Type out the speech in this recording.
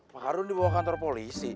pak ardun dibawa ke kantor polisi